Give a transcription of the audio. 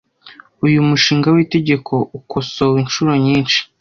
uyu mushinga w'itegeko ukosowe inshuro nyinshi